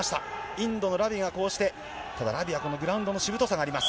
インドのラビがこうして、ただラビはこのグラウンドのしぶとさがあります。